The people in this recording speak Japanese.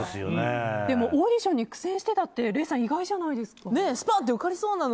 オーディションに苦戦してたって礼さん、意外じゃないですか？